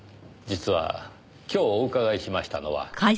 実は今日お伺いしましたのは。